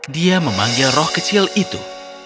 dia memanggil roh kecil itu